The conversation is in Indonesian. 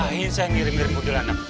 ngapain saya ngirim irim mudil anak